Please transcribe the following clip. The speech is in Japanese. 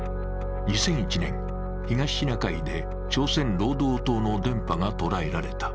２００１年東シナ海で朝鮮労働党の電波が捉えられた。